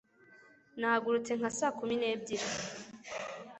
nahagurutse nka saa kumi n'ebyiri